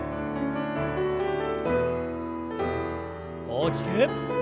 大きく。